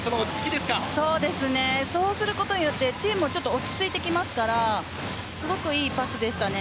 そうすることによってチームが落ち着いてきますからすごくいいパスでしたね。